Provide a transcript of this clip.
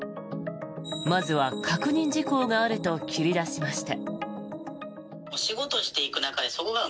まずは確認事項があると切り出しました。